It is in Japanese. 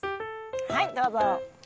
はいどうぞ。